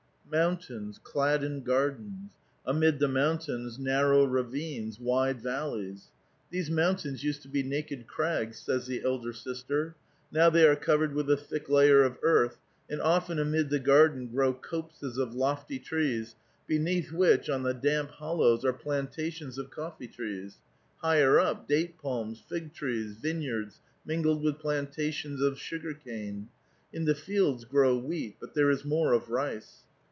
Mountains clad in gardens ; amid the mountains narrow ravines, wide valleys. " These mountains used to be naked crags," says the elder sIsUt. " Now they are covered with a thick layer of earth, an<l often amid the garden grow copses of lofty trees, beneath which, on the damp hollows, are planta tions of coffee trees ; higher up, date palms, fig trees, vine yards mingled with plantations of sugarcane ; in the fields grow wheat, but there is more of rice."